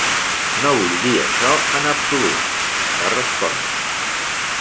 "No vull dir això en absolut", va respondre.